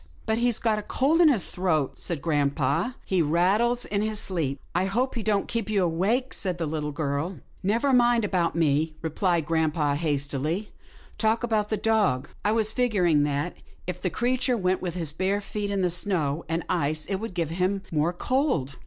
" But he's got a cold in his throat," said grampa, " he rattles in his sleep." I hope he don't keep you awake," said the little girl. " Never mind about me," replied grampa, hastily. " Talk about the dog. I was figuring that, if the creature went with his bare feet in the snow and ice, it would give him more cold."